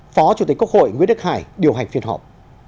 phó chủ tịch quốc hội nguyễn đức hải điều hành phiên họp